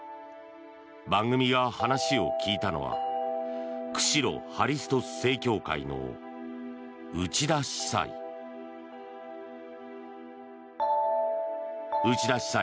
番組が話を聞いたのは釧路ハリストス正教会の内田司祭。